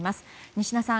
仁科さん